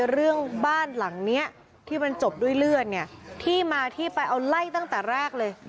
เรื่องบ้านหลังเนี้ยที่มันจบด้วยเลือดเนี่ยที่มาที่ไปเอาไล่ตั้งแต่แรกเลย